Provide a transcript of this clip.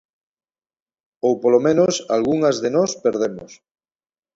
Ou, polo menos, algunhas de nós perdemos.